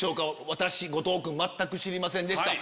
私後藤君全く知りませんでした。